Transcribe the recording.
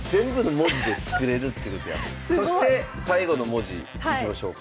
そして最後の文字いきましょうか。